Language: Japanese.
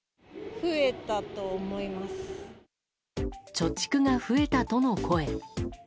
貯蓄が増えたとの声。